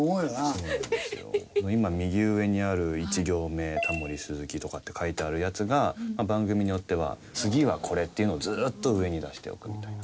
今右上にある１行目「タモリ・鈴木」とかって書いてあるやつが番組によっては「次はこれ」っていうのをずっと上に出しておくみたいな。